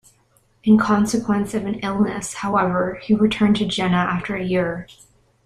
In consequence of an illness, however, he returned to Jena after a year.